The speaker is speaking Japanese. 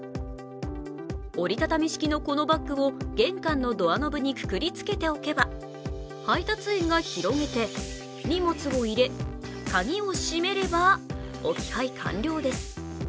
折り畳み式のこのバッグを玄関のドアノブにくくりつけておけば、配達員が広げて、荷物を入れ鍵を閉めれば置き配完了です。